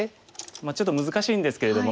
まあちょっと難しいんですけれども。